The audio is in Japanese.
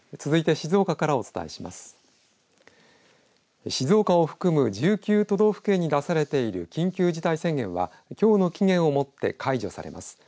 静岡を含む１９都道府県に出されている緊急事態宣言はきょうの期限をもって解除されます。